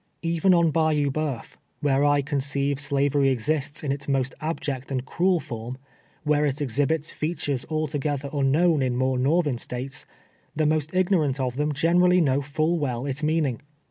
Even on 260 TWELVE TEARS A SLA\T:. Bayou Eccuf, where I conceive slavery exists in its most al)ject and cruel form — where it exhihits fea tures altogether unknown in more northern States — tlie most ignorant of them generally know full well its meaning.